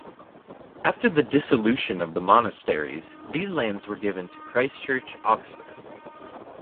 After the Dissolution of the Monasteries, these lands were given to Christ Church, Oxford.